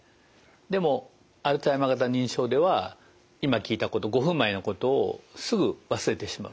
でもアルツハイマー型認知症では今聞いたこと５分前のことをすぐ忘れてしまう。